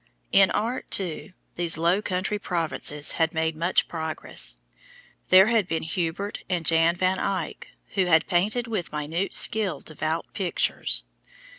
In art, too, these low country provinces had made much progress. There had been Hubert and Jan Van Eyck who had painted with minute skill devout pictures.